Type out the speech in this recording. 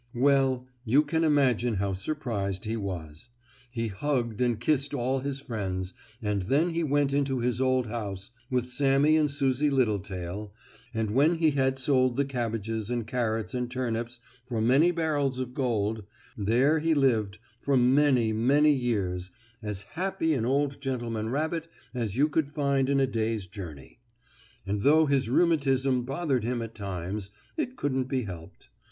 Well, you can imagine how surprised he was. He hugged and kissed all his friends and then he went into his old house with Sammie and Susie Littletail, and when he had sold the cabbages and carrots and turnips for many barrels of gold, there he lived for many, many years, as happy an old gentleman rabbit as you could find in a day's journey. And though his rheumatism bothered him at times it couldn't be helped.